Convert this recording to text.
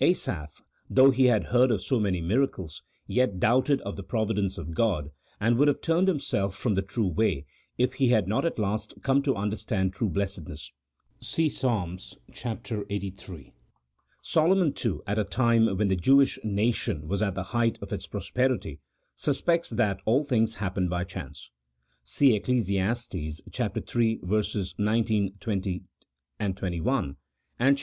Asaph, though he had heard of so many miracles, yet doubted of the providence of God, and would have turned hhnself from the true way, if he had not at last come to understand true blessedness. (See Ps. lxxxiii.) Solomon, too, at a time when the Jewish nation was at the height of its prosperity, suspects that all things happen by chance. (See Eccles. iii. 19, 20, 21 ; and chap.